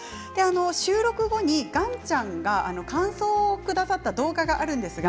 収録後に岩ちゃんが感想をくださった動画があります。